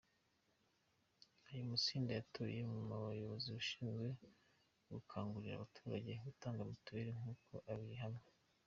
Ayo matsinda yitoye mo umuyobozi ushinzwe gukangurira abaturage gutanga Mitiweri; nk’uko abihamya.